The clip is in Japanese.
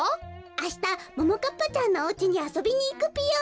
あしたももかっぱちゃんのおうちにあそびにいくぴよ。